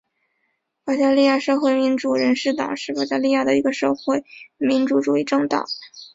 保加利亚社会民主人士党是保加利亚的一个社会民主主义政党。